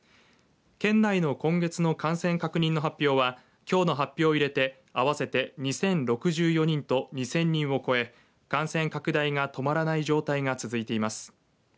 県内の今月の感染確認の発表はきょうの発表を入れて合わせて２０６４人と２０００人を超え感染拡大が止まらない状態が続いています。